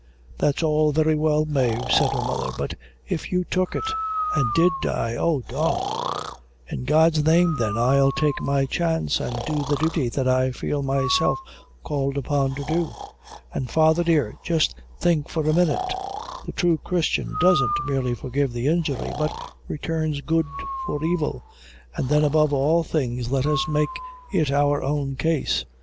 "That's all very well Mave," said her mother; "but if you took it, and did die oh, darlin' " "In God's name, then, I'll take my chance, an' do the duty that I feel myself called upon to do; and, father dear, just think for a minute the thrue Christian doesn't merely forgive the injury but returns good for evil; and then, above all things, let us make it our own case.